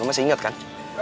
lu masih inget kan